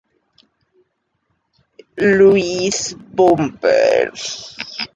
Louis Bombers.